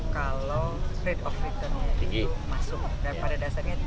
kalau rate of return itu masuk dan pada dasarnya tinggi